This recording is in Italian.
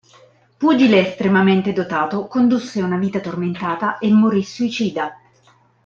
Pugile estremamente dotato, condusse una vita tormentata e morì suicida.